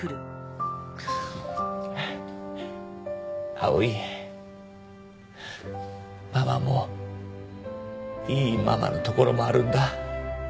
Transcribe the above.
碧唯ママもいいママのところもあるんだ。